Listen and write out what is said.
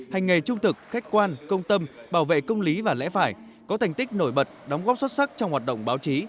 hành nghề trung thực khách quan công tâm bảo vệ công lý và lẽ phải có thành tích nổi bật đóng góp xuất sắc trong hoạt động báo chí